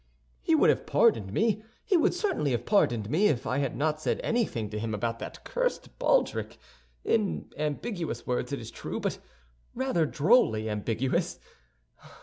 He would have pardoned me, he would certainly have pardoned me, if I had not said anything to him about that cursed baldric—in ambiguous words, it is true, but rather drolly ambiguous.